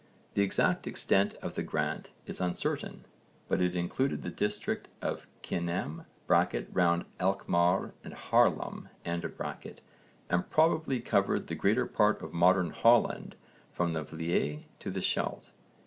The exact extent of the grant is uncertain, but it included the district of Kinnem (round Alkmaar and Haarlem) and probably covered the greater part of Modern Holland from the Vlie to the Scheldt.